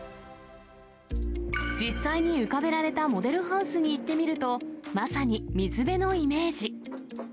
実際に浮かべられたモデルハウスに行ってみると、まさに水辺のイメージ。